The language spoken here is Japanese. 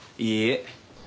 いいえ。